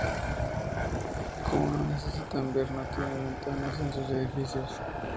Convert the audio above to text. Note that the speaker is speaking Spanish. Como no necesitan ver no tiene ventanas en sus edificios.